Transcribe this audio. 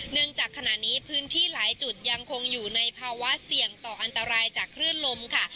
จากขณะนี้พื้นที่หลายจุดยังคงอยู่ในภาวะเสี่ยงต่ออันตรายจากคลื่นลมค่ะ